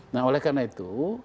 nah oleh karena itu